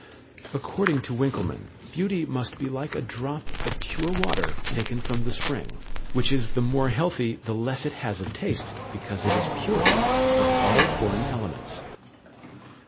According to Winckelmann, beauty must be like a drop of pure water taken from the spring, which is the more healthy the less it has of taste, because it is purified of all foreign elements.